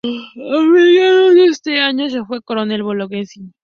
A mediados de ese año se fue al Coronel Bolognesi.